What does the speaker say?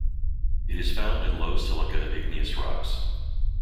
It is found in low silica igneous rocks.